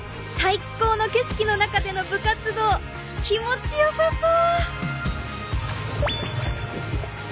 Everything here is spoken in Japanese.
いっこうの景色の中での部活動気持ちよさそう！